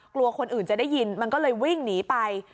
กลัวคนอื่นจะได้ยินมันก็เลยวิ่งหนีไป